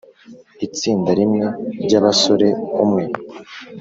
itsinda rimwe ryabasore umwe